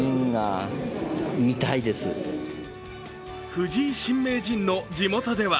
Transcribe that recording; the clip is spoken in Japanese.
藤井新名人の地元では